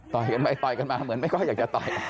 กันไปต่อยกันมาเหมือนไม่ค่อยอยากจะต่อย